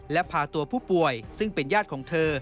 และพาตัวผู้ป่วยซึ่งเป็นญาติของเธอ